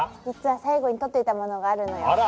実は最後に取っておいたものがあるのよ。